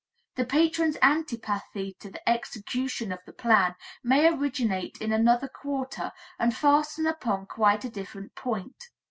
The patron's antipathy to the execution of the plan may originate in another quarter and fasten upon quite a different point.